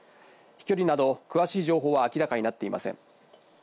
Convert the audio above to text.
飛距離など詳しい情報は明らかになっていません。